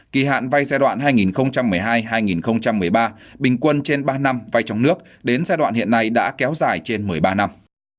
kỳ hạn vay giai đoạn hai nghìn một mươi hai hai nghìn một mươi ba bình quân trên ba năm vay trong nước đến giai đoạn hiện nay đã kéo dài trên một mươi ba năm